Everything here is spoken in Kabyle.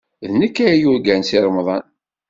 D nekk ay yurgan Si Remḍan.